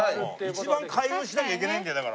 一番開運しなきゃいけないんだよだから。